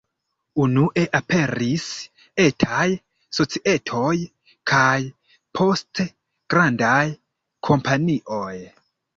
Unue aperis etaj societoj, kaj poste grandaj kompanioj.